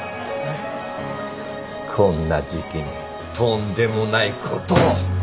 こんな時期にとんでもないことを！